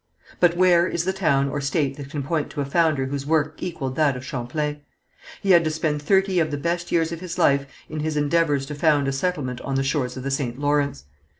But where is the town or state that can point to a founder whose work equalled that of Champlain? He had to spend thirty of the best years of his life in his endeavours to found a settlement on the shores of the St. Lawrence.